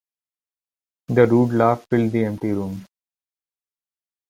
The rude laugh filled the empty room.